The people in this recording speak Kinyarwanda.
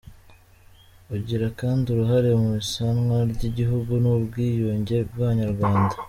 Ugira kandi uruhare mu isanwa ry’igihugu n’ubwiyunge bw’abanyarwanda ;